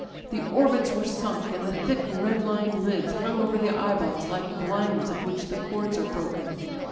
The orbits were sunk, and the thick red lined lids hung over the eye balls like blinds of which the cords are broken.